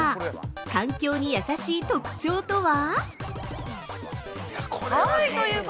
環境に優しい特徴とは？